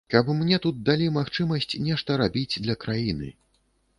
Каб мне тут далі магчымасць нешта рабіць для краіны.